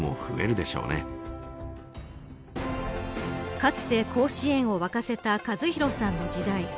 かつて甲子園を沸かせた和博さんの時代。